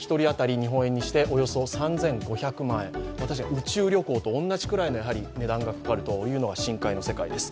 宇宙旅行と同じくらいの値段がかかるというのが深海の世界です。